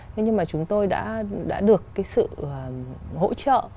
thế nhưng mà chúng tôi đã được cái sự hỗ trợ